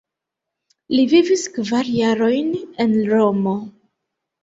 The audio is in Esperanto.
Li vivis kvar jarojn en Romo.